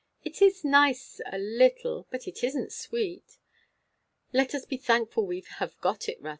"It is nice, a little, but it isn't sweet." "Let us be thankful we have got it, Rotha."